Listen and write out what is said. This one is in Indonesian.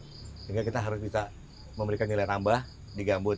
sehingga kita harus bisa memberikan nilai tambah di gambut